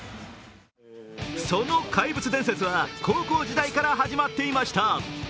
その怪物伝説は高校時代から始まっていました。